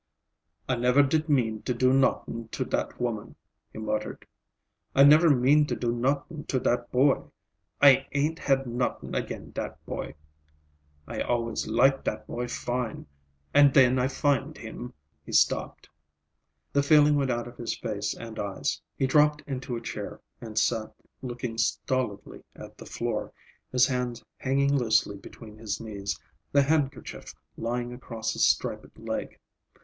"I never did mean to do not'ing to dat woman," he muttered. "I never mean to do not'ing to dat boy. I ain't had not'ing ag'in' dat boy. I always like dat boy fine. An' then I find him—" He stopped. The feeling went out of his face and eyes. He dropped into a chair and sat looking stolidly at the floor, his hands hanging loosely between his knees, the handkerchief lying across his striped leg.